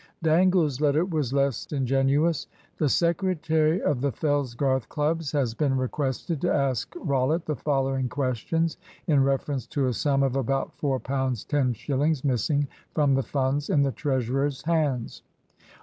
Dangle's letter was less ingenuous. "The secretary of the Fellsgarth clubs has been requested to ask Rollitt the following questions in reference to a sum of about £4 10 shillings missing from the funds in the treasurer's hands.